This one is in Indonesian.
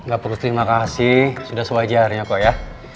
gak perlu terima kasih sudah sewajarnya kok ya